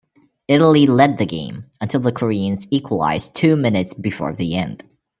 Italy led the game until the Koreans equalised two minutes before the end.